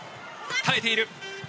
耐えている。